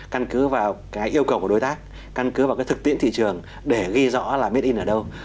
căn cứ vào cái yêu cầu của đối tác căn cứ vào cái thực tiễn thị trường để ghi rõ là made in ở đâu